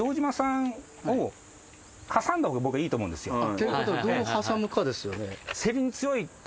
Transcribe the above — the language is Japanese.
っていうことはどう挟むかですよね。